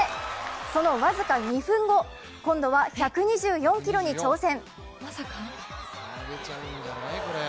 その僅か２分後、今度は１２４ｋｇに挑戦。